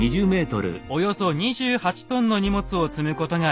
およそ２８ｔの荷物を積むことができます。